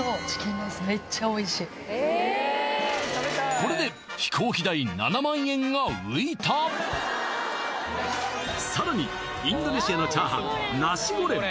これで飛行機代７万円が浮いたさらにインドネシアのチャーハンナシゴレン